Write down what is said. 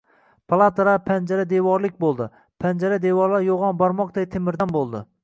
Palatalar panjara-devorlik bo‘ldi. Panjara-devorlar yo‘g‘on barmoqday temirdan bo‘ldi.